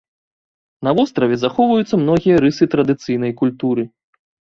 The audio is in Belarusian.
На востраве захоўваюцца многія рысы традыцыйнай культуры.